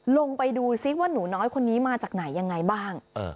ลงไปดูซิว่าหนูน้อยคนนี้มาจากไหนยังไงบ้าง